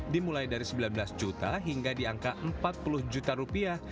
dimulai dari sembilan belas juta hingga di angka empat puluh juta rupiah